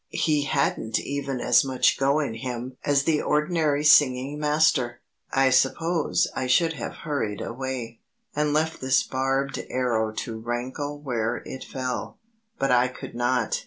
He hadn't even as much go in him as the ordinary singing master." I suppose I should have hurried away, and left this barbed arrow to rankle where it fell. But I could not.